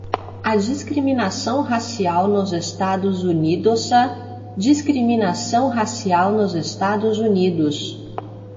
a discriminação racial nos Estados Unidosa discriminação racial nos Estados Unidos